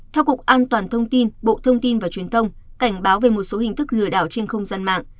theo cục an toàn thông tin bộ thông tin và truyền thông cảnh báo về một số hình thức lừa đảo trên không gian mạng